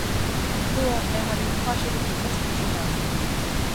Lua é unha linguaxe de propósito xeral.